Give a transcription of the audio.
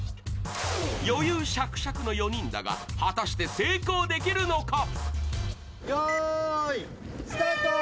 余裕しゃくしゃくの４人だが、果たして成功できるのか？